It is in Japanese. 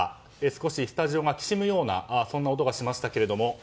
少しスタジオがきしむようなそんな音がしましたけども。